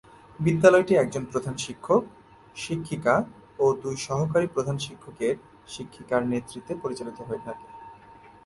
বিদ্যালয়টি একজন প্রধান শিক্ষক/শিক্ষিকা ও দুই সহকারী প্রধান শিক্ষকের/শিক্ষিকার নেতৃত্বে পরিচালিত হয়ে থাকে।